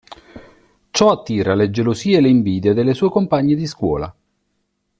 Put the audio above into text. Ciò attira le gelosie e le invidie delle sue compagne di scuola.